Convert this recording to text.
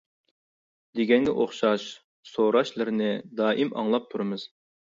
دېگەنگە ئوخشاش سوراشلىرىنى دائىم ئاڭلاپ تۇرىمىز.